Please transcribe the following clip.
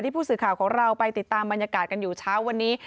ผู้สื่อข่าวของเราไปติดตามบรรยากาศกันอยู่เช้าวันนี้